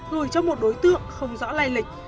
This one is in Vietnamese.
gửi cho một đối tượng không rõ lây lịch